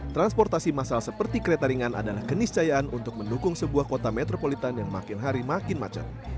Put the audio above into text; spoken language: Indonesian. transportasi masal seperti kereta ringan adalah keniscayaan untuk mendukung sebuah kota metropolitan yang makin hari makin macet